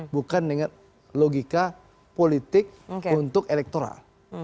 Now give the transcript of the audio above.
bukan dengan logika politik untuk elektoral